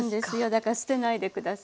だから捨てないで下さい。